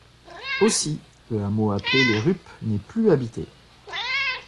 Aussi, le hameau appelé Les Ruppes n'est plus habité.